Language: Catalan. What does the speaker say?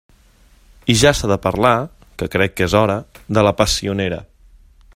I ja s'ha de parlar —que crec que és hora— de la passionera.